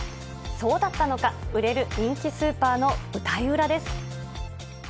そうだったのか、売れる人気スーパーの舞台裏です。